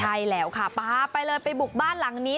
ใช่แล้วค่ะป๊าไปเลยไปบุกบ้านหลังนี้